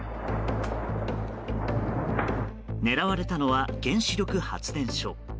狙われたのは、原子力発電所。